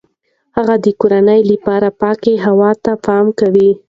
هغه د کورنۍ لپاره پاک هوای ته پام کوي.